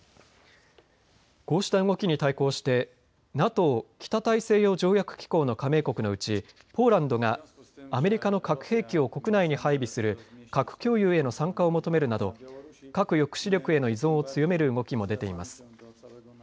こうした動きに対抗してＮＡＴＯ・北大西洋条約機構の加盟国のうちポーランドがアメリカの核兵器を国内に配備する核共有への参加を求めるなど核抑止力への依存を強める動きも出ています。